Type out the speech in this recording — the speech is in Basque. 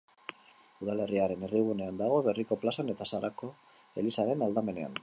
Udalerriaren herrigunean dago, herriko plazan eta Sarako elizaren aldamenean.